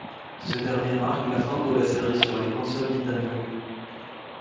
Ce dernier marque la fin de la série sur les consoles Nintendo.